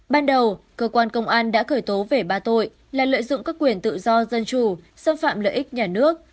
ban đầu cơ quan công an đã khởi tố về ba tội là lợi dụng các quyền tự do dân chủ xâm phạm lợi ích nhà nước